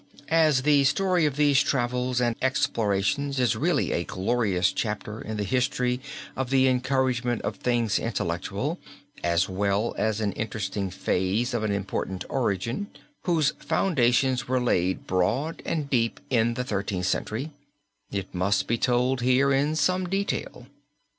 As the story of these travels and explorations is really a glorious chapter in the history of the encouragement of things intellectual, as well as an interesting phase of an important origin whose foundations were laid broad and deep in the Thirteenth Century, it must be told here in some detail.